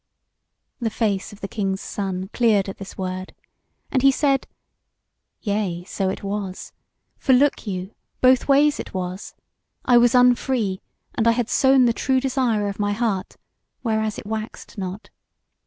The face of the King's Son cleared at this word, and he said: "Yea, so it was; for look you, both ways it was: I was unfree, and I had sown the true desire of my heart whereas it waxed not.